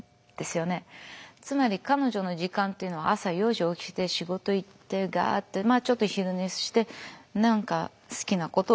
つまり彼女の時間っていうのは朝４時起きて仕事行ってガーッてまあちょっと昼寝して何か好きなことをやると。